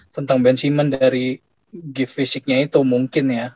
tentang ben simmons dari gift fisiknya itu mungkin ya